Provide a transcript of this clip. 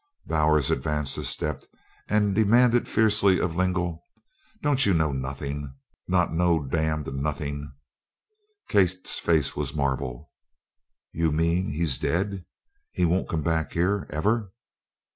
Bowers advanced a step and demanded fiercely of Lingle: "Don't you know nothin' not no damned nothin'?" Kate's face was marble. "You mean he's dead he won't come back here ever?"